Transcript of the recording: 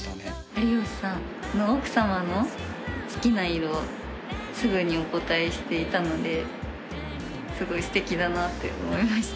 有吉さんの奥さまの好きな色すぐにお答えしていたのですごいすてきだなって思いました。